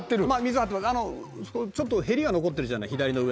ちょっとへりが残ってるじゃない左の上の方に。